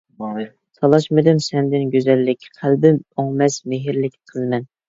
تالاشمىدىم سەندىن گۈزەللىك، قەلبىم ئۆڭمەس مېھىرلىك قىزمەن.